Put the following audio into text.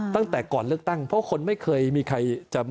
ตั้งแต่ก่อนเลือกตั้งเพราะคนไม่เคยมีใครจะ